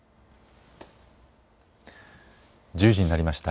１０時になりました。